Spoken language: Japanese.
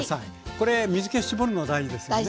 これ水け絞るの大事ですよね？